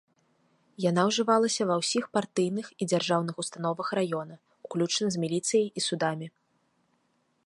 Яна ўжывалася ва ўсіх партыйных і дзяржаўных установах раёна, уключна з міліцыяй і судамі.